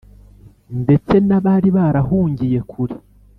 ndetse n’abari barahungiye kure.